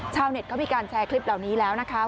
ชาวเน็ตเขามีการแชร์คลิปเหล่านี้แล้วนะคะ